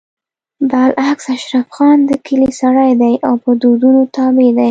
بالعكس اشرف خان د کلي سړی دی او په دودونو تابع دی